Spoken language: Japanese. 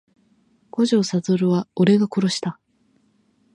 五条悟は俺が殺した…